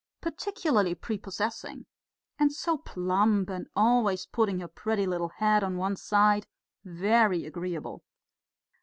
"Particularly prepossessing. And so plump, and always putting her pretty little head on one side.... Very agreeable.